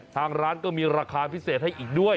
ทางร้านก็มีราคาพิเศษให้อีกด้วย